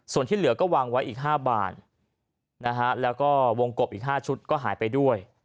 ส่วนที่เหลือก็วางไว้อีก๕บานนะฮะแล้วก็วงกบอีก๕ชุดก็หายไปด้วย